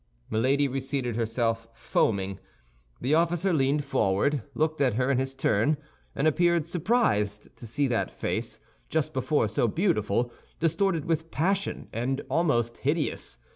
Milady reseated herself, foaming. The officer leaned forward, looked at her in his turn, and appeared surprised to see that face, just before so beautiful, distorted with passion and almost hideous.